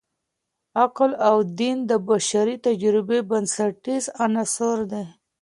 عقل او دین د بشري تجربې بنسټیز عناصر دي.